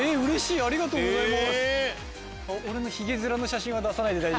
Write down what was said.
ありがとうございます。